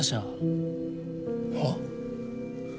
はっ？